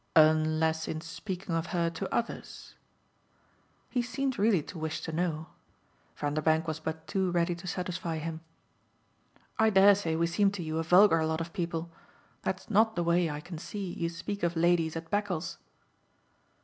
"Unless in speaking of her to others?" He seemed really to wish to know. Vanderbank was but too ready to satisfy him. "I dare say we seem to you a vulgar lot of people. That's not the way, I can see, you speak of ladies at Beccles."